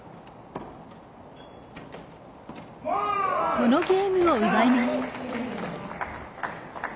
このゲームを奪います。